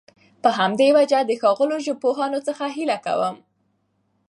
په همدي وجه د ښاغلو ژبپوهانو څخه هيله کوم